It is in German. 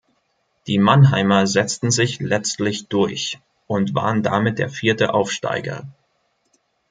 Die Mannheimer setzten sich letztlich durch und waren damit der vierte Aufsteiger.